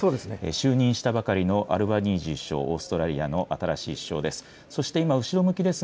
就任したばかりのアルバニージー首相、オーストラリアの新しい首相です。